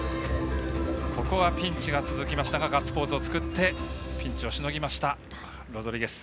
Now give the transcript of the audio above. ここはピンチが続きましたがガッツポーズを作ってピンチをしのぎましたロドリゲス。